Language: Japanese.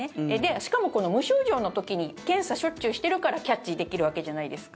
しかも、無症状の時に検査をしょっちゅうしてるからキャッチできるわけじゃないですか。